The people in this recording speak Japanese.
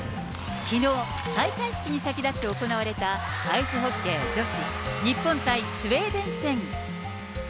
きのう、開会式に先立って行われた、アイスホッケー女子、日本対スウェーデン戦。